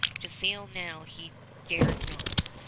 To fail now he dared not.